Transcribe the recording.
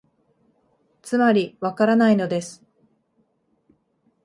つまり、わからないのです